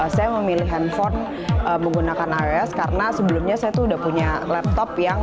saya memilih handphone menggunakan ios karena sebelumnya saya sudah punya laptop yang